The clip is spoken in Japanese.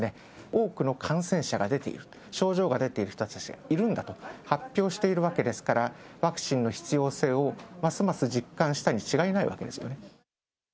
多くの感染者が出ている、症状が出ている人たちがいるんだと発表しているわけですから、ワクチンの必要性をますます実感したに違いないわけですよね。